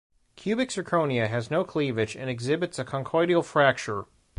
Cubic zirconia has no cleavage and exhibits a conchoidal fracture.